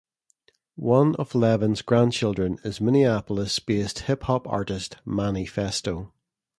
One of Levins's grandchildren is Minneapolis-based hip hop artist Manny Phesto.